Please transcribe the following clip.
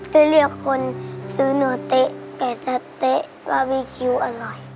จะเรียกคนซื้อเนื้อเต๊ะไก่สะเต๊ะบาร์บีคิวอร่อย